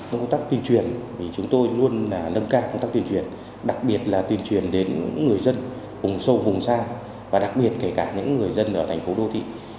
công tác tuyên truyền thì chúng tôi luôn nâng cao công tác tuyên truyền đặc biệt là tuyên truyền đến người dân vùng sâu vùng xa và đặc biệt kể cả những người dân ở thành phố đô thị